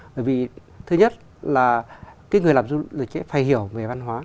bởi vì thứ nhất là cái người làm du lịch sẽ phải hiểu về văn hóa